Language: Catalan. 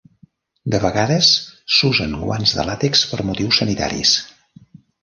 De vegades, s'usen guants de làtex per motius sanitaris.